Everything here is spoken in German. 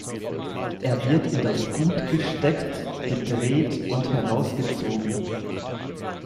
Er wird in das Gut gesteckt, gedreht und herausgezogen.